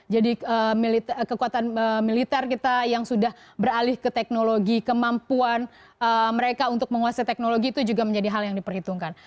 jadi kekuatan militer kita yang sudah beralih ke teknologi kemampuan mereka untuk menguasai teknologi itu juga menjadi hal yang diperhitungkan